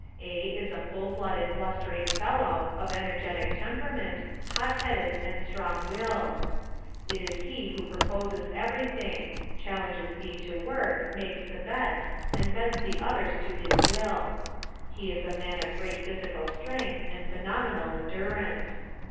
A is a full blooded blustering fellow, of energetic temperament, hot headed and strong willed. It is he who proposes everything, challenges B to work, makes the bets, and bends the others to his will. He is a man of great physical strength and phenomenal endurance.